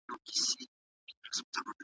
کاپيسا د انګورو وطن دی.